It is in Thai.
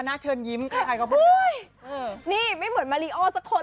นี่ไม่เหมือนมารีทอ้อสก